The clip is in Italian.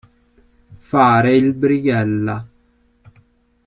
Fare il brighella.